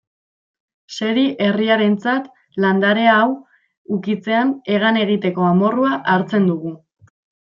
Seri herriarentzat, landarea hau ukitzean hegan egiteko amorrua hartzen dugu.